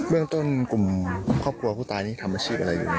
เรื่องต้นกลุ่มครอบครัวผู้ตายนี่ทำอาชีพอะไรอยู่